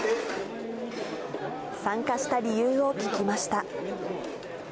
参加した理由を聞きました。